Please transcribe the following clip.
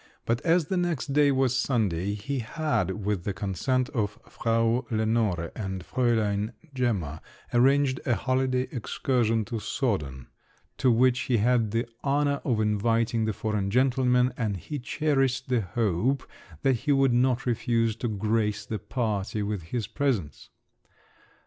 but as the next day was Sunday, he had, with the consent of Frau Lenore and Fräulein Gemma, arranged a holiday excursion to Soden, to which he had the honour of inviting the foreign gentleman, and he cherished the hope that he would not refuse to grace the party with his presence.